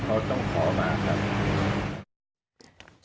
เขาต้องขอมาครับ